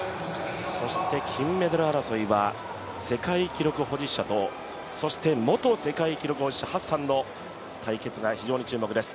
そして金メダル争いは、世界記録保持者とそして元世界記録保持者ハッサンの対決が非常に注目です。